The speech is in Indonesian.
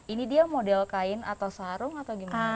ini dia model kain atau sarung atau gimana